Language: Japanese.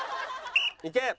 いけ！